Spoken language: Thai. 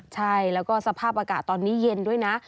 ใช่แล้วก็สภาพอากาศตอนนี้เย็นด้วยนะ